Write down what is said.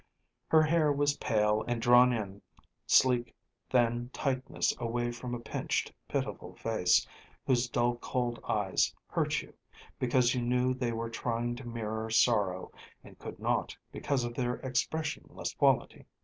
Her hair was pale and drawn in sleek, thin tightness away from a pinched, pitiful face, whose dull cold eyes hurt you, because you knew they were trying to mirror sorrow, and could not because of their expressionless quality.